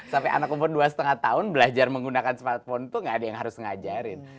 sampai anak umur dua lima tahun belajar menggunakan smartphone itu gak ada yang harus ngajarin